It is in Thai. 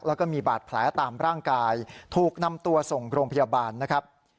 แล้วก็มีบาดแผลตามร่างกายถูกนำตัวส่งโรงพยาบาลนะครับ